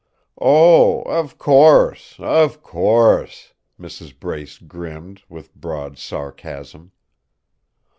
"Oh, of course! Of course," Mrs. Brace grinned, with broad sarcasm.